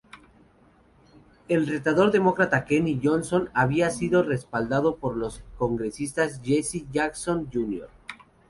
El retador demócrata Kenny Johnson había sido respaldado por los congresistas Jesse Jackson, Jr.